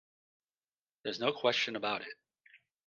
There's no question about it.